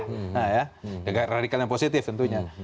nah ya gagasan gagasan yang positif tentunya